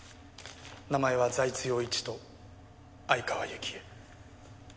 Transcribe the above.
名前は財津陽一と相川雪江。